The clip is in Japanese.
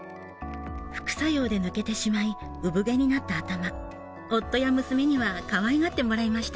副作用でうぶ毛になった頭、夫や娘にはかわいがってもらいました。